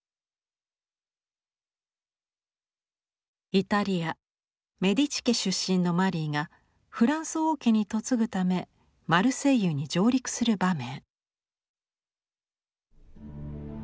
イタリア・メディチ家出身のマリーがフランス王家に嫁ぐためマルセイユに上陸する場面。